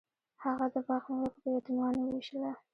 هغه د باغ میوه په یتیمانو ویشله.